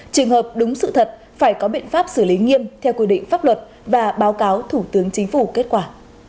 trường hợp đúng sự thật phải có biện pháp xử lý nghiêm theo quy định pháp luật và báo cáo thủ tướng chính phủ kết quả